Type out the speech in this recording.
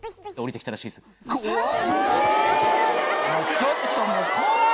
ちょっともう怖いわ！